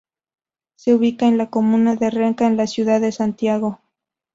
Se ubica en la comuna de Renca en la ciudad de Santiago.